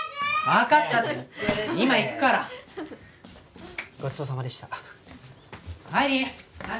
分かったって今行くからごちそうさまでした愛理何？